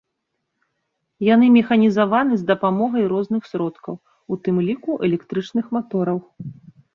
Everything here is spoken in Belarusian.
Яны механізаваны з дапамогай розных сродкаў, у тым ліку электрычных матораў.